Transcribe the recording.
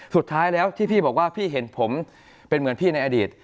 สุดท้ายแล้วที่พี่บอกว่าพี่เห็นผมเป็นเหมือนพี่ในอดีต